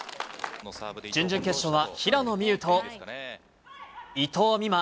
準々決勝は平野美宇と伊藤美誠。